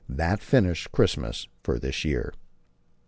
That finished Christmas for this year.